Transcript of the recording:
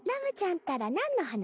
ったら何の話？